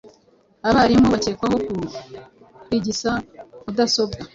Abarimu bakekwaho kurigisa mudasobwa